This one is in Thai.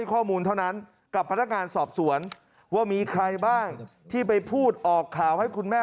ข้อมูลเท่านั้นกับพนักงานสอบสวนว่ามีใครบ้างที่ไปพูดออกข่าวให้คุณแม่